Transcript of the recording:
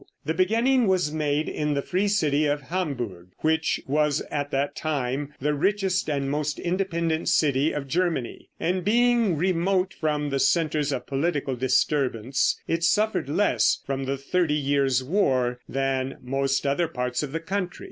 The beginning was made in the free city of Hamburg, which was at that time the richest and most independent city of Germany, and, being remote from the centers of political disturbance, it suffered less from the thirty years' war than most other parts of the country.